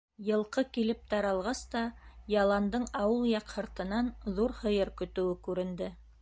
Йылҡы килеп таралғас та, яландың ауыл яҡ һыртынан ҙур һыйыр көтөүе күренде.